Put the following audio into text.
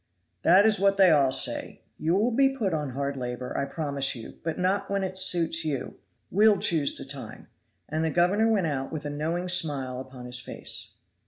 "That is what they all say! You will be put on hard labor, I promise you, but not when it suits you. We'll choose the time." And the governor went out with a knowing smile upon his face.